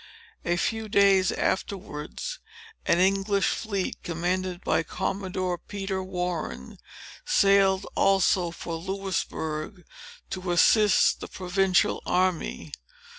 A few days afterwards, an English fleet, commanded by Commodore Peter Warren, sailed also for Louisbourg, to assist the provincial army.